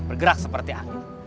bergerak seperti angin